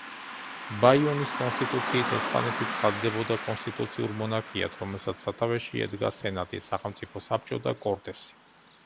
ბაიონის კონსტიტუციით ესპანეთი ცხადდებოდა კონსტიტუციურ მონარქიად, რომელსაც სათავეში ედგა სენატი, სახელმწიფო საბჭო და კორტესი.